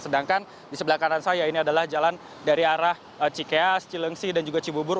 sedangkan di sebelah kanan saya ini adalah jalan dari arah cikeas cilengsi dan juga cibubur